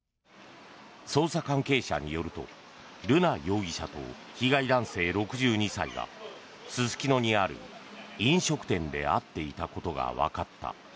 捜査関係者によると瑠奈容疑者と被害男性６２歳がすすきのにある飲食店で会っていたことがわかった。